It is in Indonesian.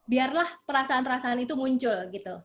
biarlah perasaan perasaan itu muncul gitu